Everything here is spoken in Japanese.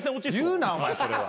言うなお前それは。